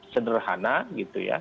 sederhana gitu ya